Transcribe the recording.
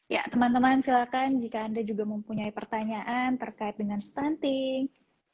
ya teman teman silakan jika anda juga mempunyai pertanyaan terkait dengan stunting